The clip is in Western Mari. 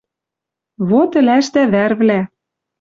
Вот ӹлӓшдӓ вӓрвлӓ!